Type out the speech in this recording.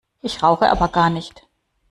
Ich rauche aber gar nicht!